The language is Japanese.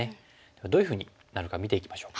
どういうふうになるか見ていきましょう。